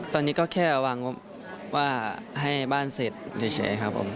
ตอนนี้ก็แค่วางงบว่าให้บ้านเสร็จเฉยครับผม